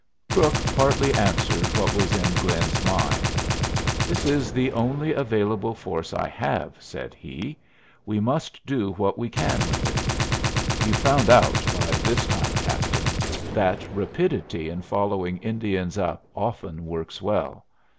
Crook partly answered what was in Glynn's mind. "This is the only available force I have," said he. "We must do what we can with it. You've found out by this time, captain, that rapidity in following Indians up often works well.